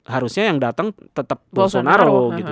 harusnya yang datang tetap sonaro gitu